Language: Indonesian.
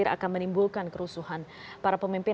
untuk proses pemembuatan blognya saya bisa menghubungkan